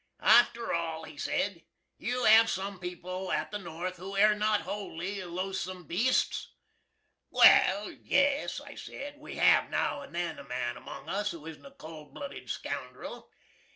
"After all," he sed, "you have sum people at the North who air not wholly loathsum beasts?" "Well, yes," I sed, "we hav' now and then a man among us who isn't a cold bluded scoundril.